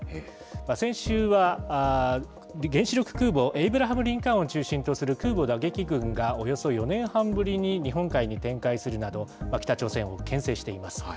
先週は原子力空母エイブラハム・リンカーンを中心とする空母打撃群が、およそ４年半ぶりに日本海に展開するなど、北朝鮮をけん制しています。